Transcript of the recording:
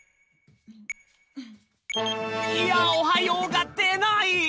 いや「おはよう」がでない！